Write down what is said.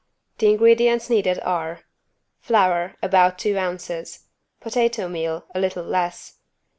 The ingredients needed are: Flour, about two ounces. Potato meal, a little less.